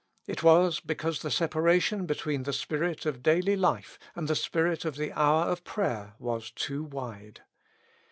It was, because the separation between the spirit of daily life and the spirit of the hour of prayer was too wide.